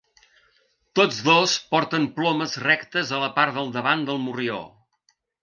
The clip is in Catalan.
Tots dos porten plomes rectes a la part del davant del morrió.